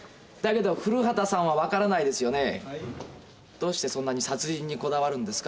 どうしてそんなに殺人にこだわるんですか？